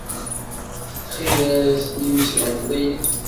Si txidas n yimesbaṭliyen.